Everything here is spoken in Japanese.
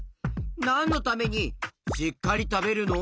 なんのためにしっかりたべるの？